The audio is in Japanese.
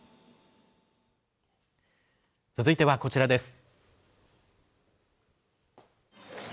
続いてはこちらです。